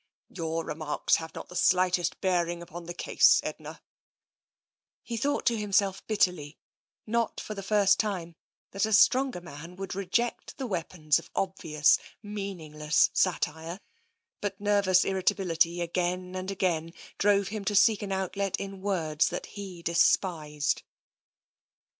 " Your remarks have not the slightest bearing upon the case, Edna/' He thought to himself bitterly, not for the first time, that a stronger man would reject the weapons of obvious, meaningless satire, but nervous irritability again and again drove him to seek an outlet in words that he despised.